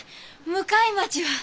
向町は。